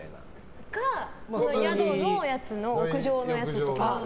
それか、宿のやつの屋上のやつとか。